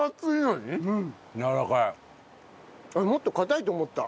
もっと硬いと思った。